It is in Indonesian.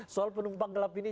soal penumpang gelap ini